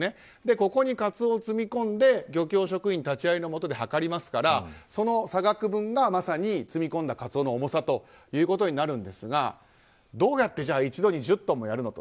ここにカツオを積み込んで漁協職員立ち会いのもとで量りますからその差額分が、まさに積み込んだカツオの重さということになるんですがどうやって一度に１０トンもやるのと。